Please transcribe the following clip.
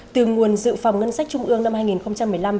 từ nguồn dự phòng ngân sách trung ương năm hai nghìn một mươi năm